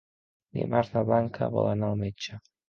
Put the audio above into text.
Dimarts na Blanca vol anar al metge.